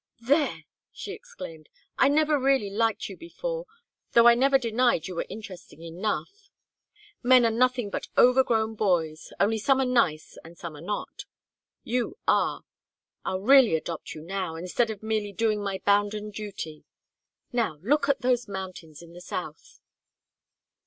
"There!" she exclaimed. "I never really liked you before, though I never denied you were interesting enough. Men are nothing but overgrown boys, only some are nice and some are not. You are. I'll really adopt you now, instead of merely doing my bounden duty. Now look at those mountains in the south."